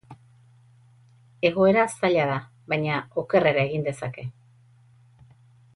Egoera zaila da, baina okerrera egin dezake.